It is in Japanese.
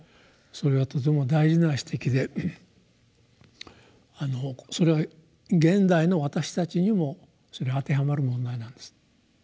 それはとても大事な指摘でそれは現代の私たちにも当てはまる問題なんです。